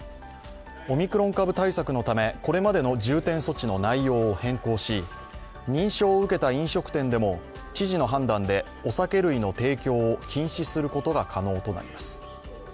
オミクロン株対策のため、これまでの重点措置の内容を変更し、認証を受けた飲食店でも知事の判断でお酒類の提供を禁止することが可能となります。